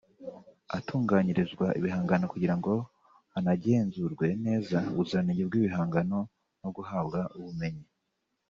ahatunganyirizwa ibihangano kugira ngo hanagenzurwe neza ubuziranenge bw'ibihangano no guhabwa ubumenyi"